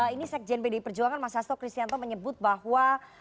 ini sekjen pdi perjuangan mas hasto kristianto menyebut bahwa